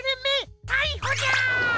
たいほじゃ！